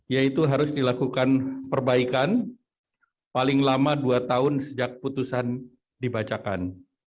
yaitu harus dilakukan perbaikan paling lama dua tahun sejak putusan dibacakan